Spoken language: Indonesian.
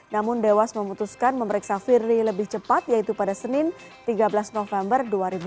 namun dewas memutuskan memeriksa firly lebih cepat yaitu pada senin tiga belas november dua ribu dua puluh